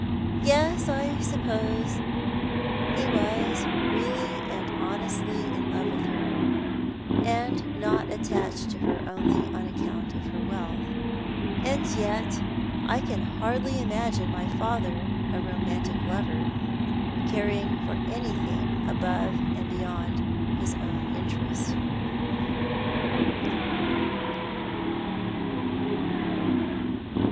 Yes, I suppose ho was really and honestly in love with her, and not attached to her only on account of her wealtli ; and yet I can hardly imagine my father a romantic lover, caring for anything above and beyond his own For Patej'ual Pei'tisal. 17 interest.